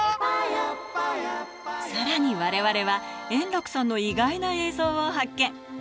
さらにわれわれは、円楽さんの意外な映像を発見。